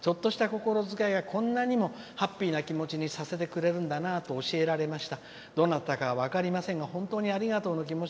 絵手紙だけでもうれしいのですがちょっとした心遣いがこんなにもハッピーな気持ちにさせられるんだなと教えられました。